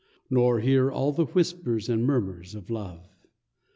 Nor hear all the whispers and murmurs of love.